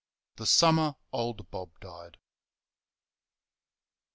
The Summer Old Bob Died.